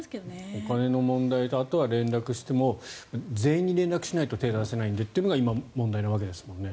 お金の問題とあとは連絡しても全員に連絡しないと手を出せないのが問題なわけですからね。